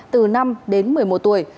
từ năm đến một mươi một tuổi